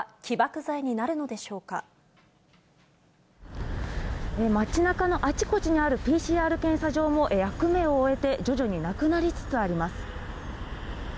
街なかのあちこちにあるＰＣＲ検査場も役目を終えて、徐々になくなりつつあります。